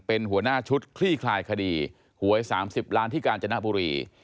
เป็นหัวหน้าชุดคลี่คลายคดีหวย๓๐ล้านที่กาญจนบุรี